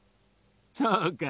そうか。